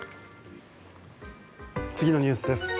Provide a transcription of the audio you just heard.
次のニュースです。